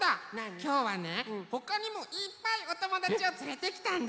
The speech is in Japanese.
きょうはねほかにもいっぱいおともだちをつれてきたんだ。